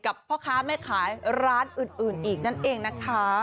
พ่อค้าแม่ขายร้านอื่นอีกนั่นเองนะคะ